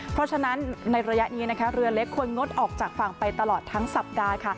เพราะฉะนั้นในระยะนี้นะคะเรือเล็กควรงดออกจากฝั่งไปตลอดทั้งสัปดาห์